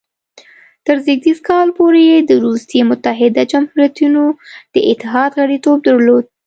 تر زېږدیز کال پورې یې د روسیې متحده جمهوریتونو د اتحاد غړیتوب درلود.